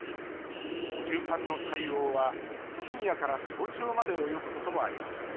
急患の対応は深夜から早朝まで及ぶこともあります